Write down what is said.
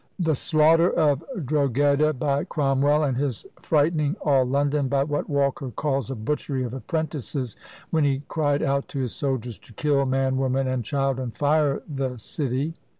" The slaughter of Drogheda by Cromwell, and his frightening all London by what Walker calls "a butchery of apprentices," when he cried out to his soldiers, "to kill man, woman, and child, and fire the city!"